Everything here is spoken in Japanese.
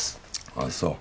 あっそう。